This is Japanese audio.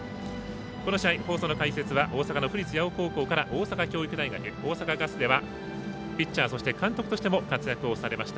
この試合、放送の解説は大阪の府立八尾高校から大阪教育大学大阪ガスでは選手、監督としても活躍をされました。